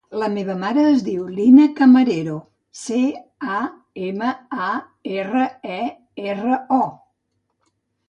La meva mare es diu Lina Camarero: ce, a, ema, a, erra, e, erra, o.